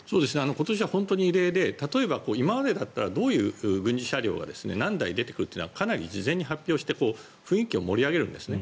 今年は本当に異例で今までだったらどういう軍事車両が何台出てくるというのはかなり事前に発表して雰囲気を盛り上げるんですね。